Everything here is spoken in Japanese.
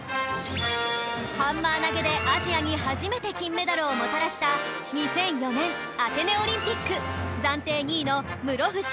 ハンマー投げでアジアに初めて金メダルをもたらした２００４年アテネオリンピック